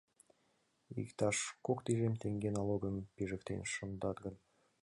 Иктаж кок тӱжем теҥге налогым пижыктен шындат гын, шортат да йомат...